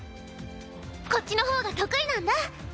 こっちの方が得意なんだ